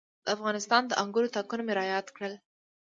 د افغانستان د انګورو تاکونه مې را یاد کړل.